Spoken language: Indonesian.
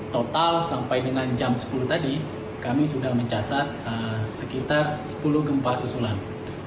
total sampai dengan jam sepuluh tadi kami sudah mencatat sekitar sepuluh gempa susulan